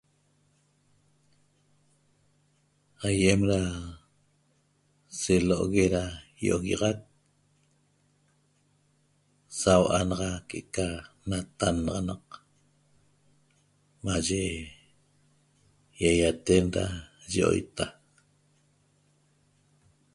Aýem da selo'ogue da ýi'oguiaxac sau'a naxa que'eca natannaxanaq maye ýaýaten da yioita